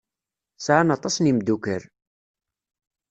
Sɛan aṭas n yimeddukal.